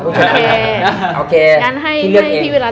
ผู้ชนะได้แก่